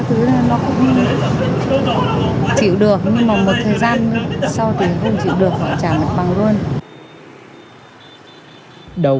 chủ khen hàng và khẩn cấp họ chỉ cho giảm đừng bao giờ phải việc kiếm đồng